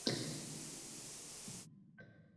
Cho’g’ing ado bo’lmasin».